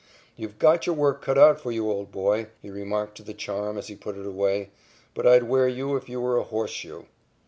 "You've got your work cut out for you, old boy," he remarked to the charm as he put it away, "but I'd wear you if you were a horseshoe."